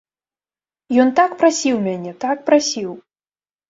Ён так прасіў мяне, так прасіў.